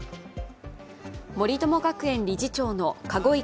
森友学園理事長の籠池